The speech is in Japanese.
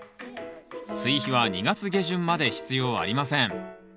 追肥は２月下旬まで必要ありません